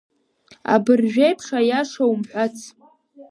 Абыржәеиԥш аиаша умҳәац.